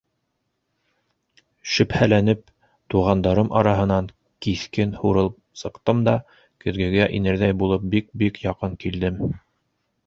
Шөбһәләнеп, туғандарым араһынан киҫкен һурылып сыҡтым да, көҙгөгә инерҙәй булып бик-бик яҡын килдем.